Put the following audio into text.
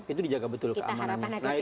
itu dijaga betul keamanannya kita harapkan